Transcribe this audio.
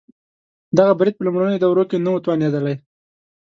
دغه برید په لومړنیو دورو کې نه و توانېدلی.